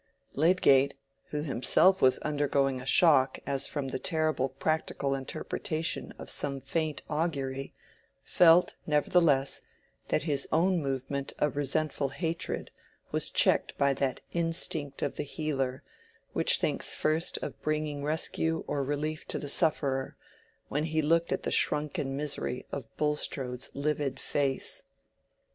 Lydgate, who himself was undergoing a shock as from the terrible practical interpretation of some faint augury, felt, nevertheless, that his own movement of resentful hatred was checked by that instinct of the Healer which thinks first of bringing rescue or relief to the sufferer, when he looked at the shrunken misery of Bulstrode's livid face.